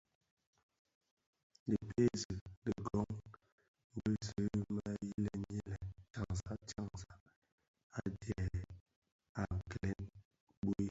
Dhi pezi dhigōn bi zi mě yilè yilen tyanzak tyañzak a djee a kilèn, bhui,